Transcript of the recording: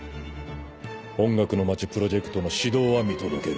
「音楽のまちプロジェクト」の始動は見届ける。